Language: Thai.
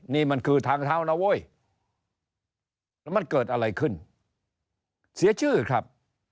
นี่มันคือทางเท้านะเว้ยแล้วมันเกิดอะไรขึ้นเสียชื่อครับ